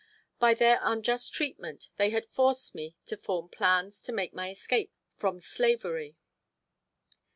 By their unjust treatment they had forced me to form plans to make my escape from slavery.